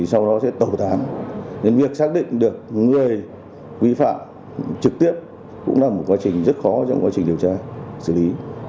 sau đó sẽ tẩu thán nên việc xác định được người vi phạm trực tiếp cũng là một quá trình rất khó trong quá trình điều tra xử lý